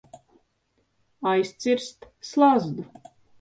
Aizcirst slazdu.